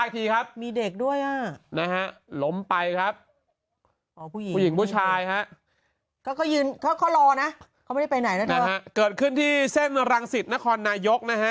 เขาไม่ได้ไปไหนแล้วนะฮะเกิดขึ้นที่เส้นรังสิทธิ์นครนายกนะฮะ